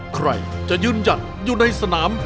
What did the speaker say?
ใครจะยืนหยัดอยู่ในสนาม